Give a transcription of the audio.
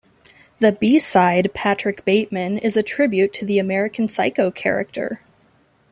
The B-side, "Patrick Bateman", is a "tribute" to the "American Psycho" character.